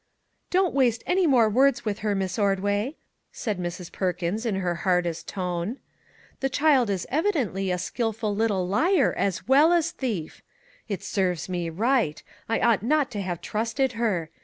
" Don't waste any more words with her, Miss Ordway," said Mrs. Perkins, in her hard est tone. " The child is evidently a skillful little liar, as well as thief. It serves me right; I ought not to have trusted her.